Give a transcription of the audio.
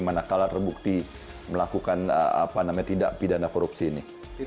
mana kalah terbukti melakukan tindak pidana korupsi ini